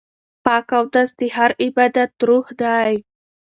پاک اودس د هر عبادت روح دی.